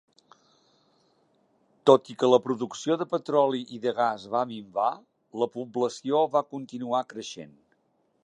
Tot i que la producció de petroli i de gas va minvar, la població va continuar creixent.